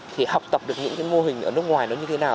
thì học tập được những cái mô hình ở nước ngoài nó như thế nào